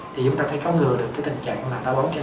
thì chúng ta có ngừa được cái tình trạng mà tao bóng cho em bé